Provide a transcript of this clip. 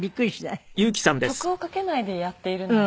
いや曲をかけないでやっているので。